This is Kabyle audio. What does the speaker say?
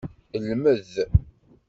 Lmed!